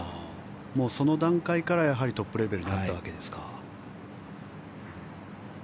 もうその段階からトップレベルだったわけですか。